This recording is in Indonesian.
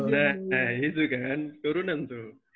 nah nah itu kan keturunan tuh